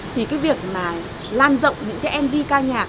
thì cái việc mà lan rộng những cái mv ca nhạc